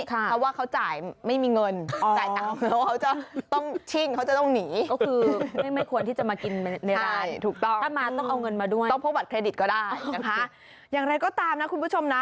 เทรดิตก็ได้นะคะอย่างไรก็ตามนะคุณผู้ชมนะ